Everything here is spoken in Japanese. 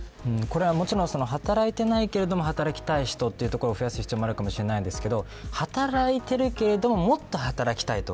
もちろん働いてないけど働きたい人を増やす必要もありますが働いているけれどももっと働きたいと。